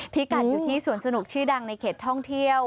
พี่กัดอยู่ที่สวนสนุกชื่อดังในเขตท่องเที่ยว